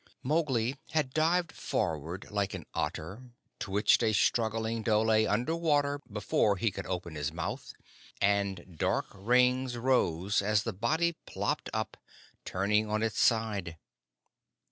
Mowgli had dived forward like an otter, twitched a struggling dhole under water before he could open his mouth, and dark rings rose as the body plopped up, turning on its side.